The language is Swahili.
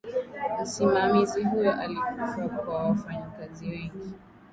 msimamizi huyo alikufa kama wafanyikazi wengi